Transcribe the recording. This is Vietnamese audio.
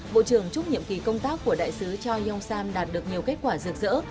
bộ trưởng chúc nhiệm kỳ công tác của đại sứ choi yong sam đạt được nhiều kết quả rực rỡ